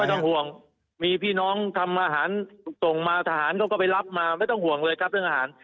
ต้องห่วงมีพี่น้องทำอาหารส่งมาทหารเขาก็ไปรับมาไม่ต้องห่วงเลยครับเรื่องอาหาร